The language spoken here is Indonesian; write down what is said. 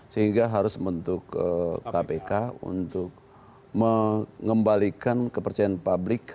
sehingga harus membentuk kpk untuk mengembalikan kepercayaan publik